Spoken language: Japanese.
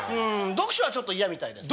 読書はちょっと嫌みたいですね。